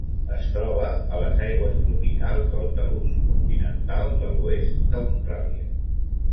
Es troba a les aigües tropicals del talús continental de l'oest d'Austràlia.